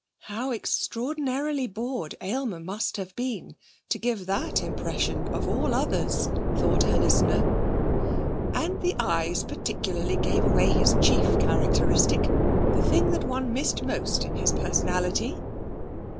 (How extraordinarily bored Aylmer must have been to give that impression of all others, thought her listener.) And the eyes, particularly, gave away his chief characteristic, the thing that one missed most in his personality.